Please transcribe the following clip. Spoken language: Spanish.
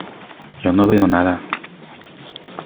Yo no veo nada.